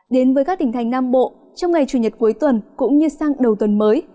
đến với các tỉnh thành nam bộ trong ngày chủ nhật cuối tuần cũng như sang đầu tuần mới